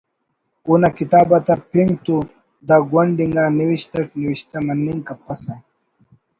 اونا کتاب آتا پنک تو دا گونڈ انگا نوشت اٹ نوشتہ مننگ کپسہ